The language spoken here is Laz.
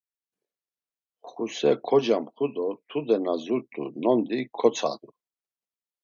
Xuse kocamxu do tude na zurt̆u nondi kotsadu.